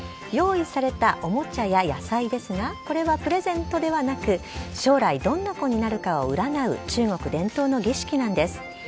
用意されたおもちゃや野菜ですがこれはプレゼントではなく将来どんな子になるかを占う中国伝統の儀式なんです。